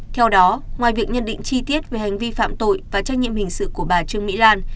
theo đó ngoài việc nhận định chi tiết về hành vi phạm tội và trách nhiệm hình sự của bà trương mỹ lan